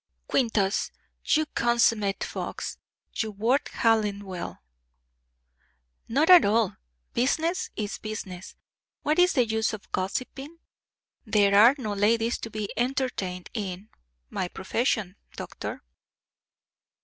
"Quintus, you consummate fox you worked Hallen well!" "Not at all; business is business. What is the use of gossiping? There are no ladies to be entertained in my profession, Doctor."